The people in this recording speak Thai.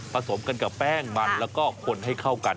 สมกันกับแป้งมันแล้วก็คนให้เข้ากัน